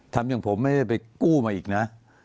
ทำอย่างผมไม่ได้ไปกู้มาอีกนะ